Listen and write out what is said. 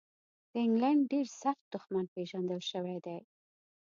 د انګلینډ ډېر سخت دښمن پېژندل شوی دی.